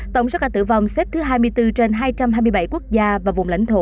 tổng số ca tử vong xếp thứ hai mươi bốn trên hai trăm hai mươi bảy quốc gia và vùng lãnh thổ